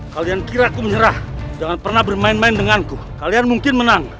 kalian kira aku menyerah jangan pernah bermain main denganku kalian mungkin menang